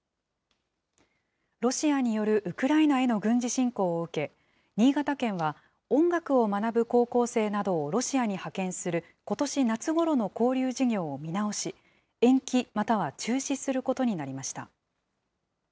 ロシアによるウクライナへの軍事侵攻を受け、新潟県は、音楽を学ぶ高校生などをロシアに派遣することし夏ごろの交流事業を見直し、延期、または中止することになりました。